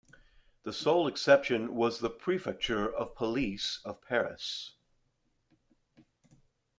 The sole exception was the Prefecture of Police of Paris.